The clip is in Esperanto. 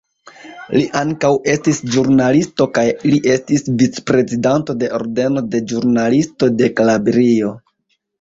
Li ankaŭ estis ĵurnalisto kaj li estis vic-prezidanto de Ordeno de ĵurnalistoj de Kalabrio.